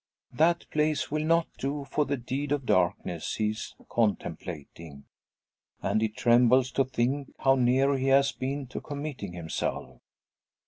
That place will not do for the deed of darkness he is contemplating; and he trembles to think how near he has been to committing himself!